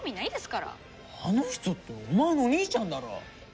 「あの人」ってお前のお兄ちゃんだろ！